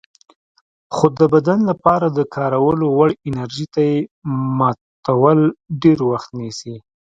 خو د بدن لپاره د کارولو وړ انرژي ته یې ماتول ډېر وخت نیسي.